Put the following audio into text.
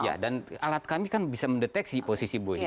ya dan alat kami kan bisa mendeteksi posisi buoy